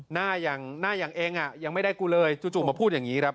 หน้าอย่างเองอะยังไม่ได้กูเลยจู่มาพูดอย่างนี้ครับ